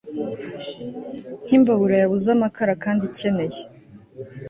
nkimbabura yabuze amakara kandi ikeneye